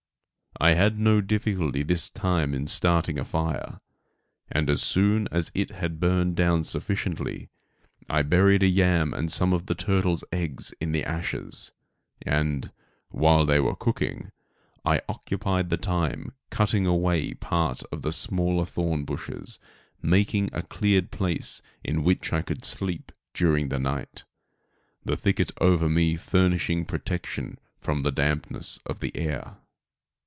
I had no difficulty this time in starting a fire, and as soon as it had burned down sufficiently I buried a yam and some of the turtles' eggs in the ashes, and, while they were cooking I occupied the time cutting away a part of the smaller thorn bushes, making a cleared place in which I could sleep during the night, the thicket over me furnishing protection from the dampness of the air.